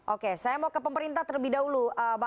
oke saya mau ke pemerintah terlebih dahulu